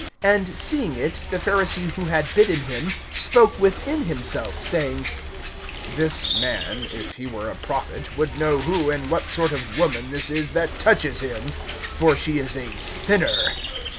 (39)And seeing it, the Pharisee who had bidden him spoke within himself, saying: This man, if he were a prophet, would know who and what sort of woman this is that touches him; for she is a sinner.